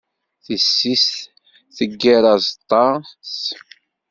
Tisist teggar azeṭṭa-s akken ad d-tseyyeḍ yess ibɛac.